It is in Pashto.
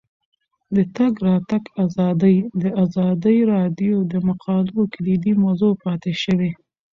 د تګ راتګ ازادي د ازادي راډیو د مقالو کلیدي موضوع پاتې شوی.